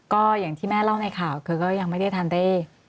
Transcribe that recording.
ก็อย่างที่แม่เล่าในข่าวคือก็ยังไม่ได้ทันได้